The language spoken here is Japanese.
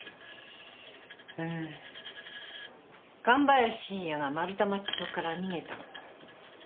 神林信弥が丸太町署から逃げたの。